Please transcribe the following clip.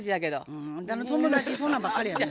あんたの友達そんなんばっかりやな。